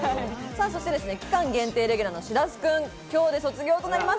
そして期間限定レギュラーの白洲君、今日で卒業となります。